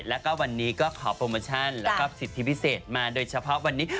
แล้วก็วันนี้ก็ขอโปรโมชั่นแล้วก็สิทธิพิเศษมาโดยเฉพาะวันนี้